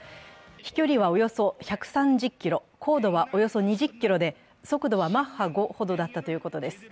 飛距離はおよそ１３０ｋｍ高度はおよそ２０ｋｍで速度はマッハ５だったということです。